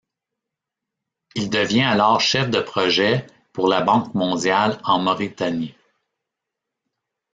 Il devient alors chef de projet pour la Banque mondiale en Mauritanie.